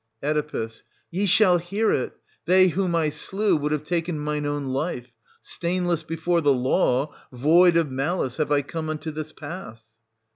Oe. Ye shall hear it; they whom I slew would have taken mine own life : stainless before the law, void of malice, have I come unto this pass